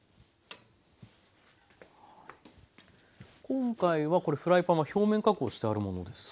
今回はこれフライパンは表面加工してあるものですか？